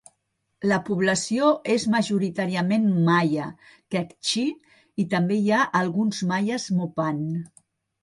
La població és majoritàriament maia kektxí i també hi ha alguns maies mopan.